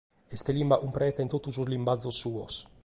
Est limba cumpreta in totu sos limbazos suos.